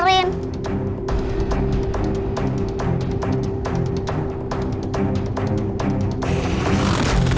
sebab diaulen cocok